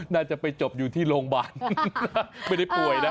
น่าจะไปจบอยู่ที่โรงพยาบาลไม่ได้ป่วยนะ